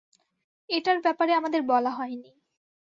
এটার ব্যাপারে আমাদের বলা হয়নি।